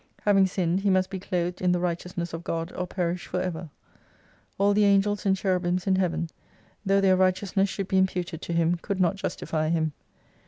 Having sinned, he must be clothed in the right eousness of God or perish for ever. All the Angels and Cherubims in Heaven, though their righteousness should be imputed to him could not justify him.